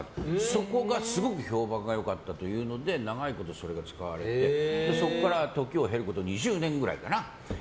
そこがすごく評判が良かったというので長いことそれが使われてそこから時を経ること２０年ぐらいかな